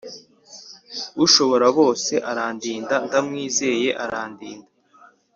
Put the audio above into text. Ushobora bose arandinda ndamwizeye arandinda